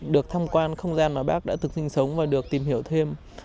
được tham quan không gian mà bác đã từng sinh sống và được tìm hiểu thêm